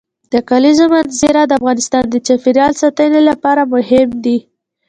د کلیزو منظره د افغانستان د چاپیریال ساتنې لپاره مهم دي.